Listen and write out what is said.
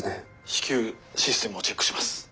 至急システムをチェックします。